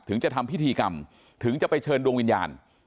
ถึงจะทำพิธีกรรมถึงจะไปเชิญดวงวิญญาณ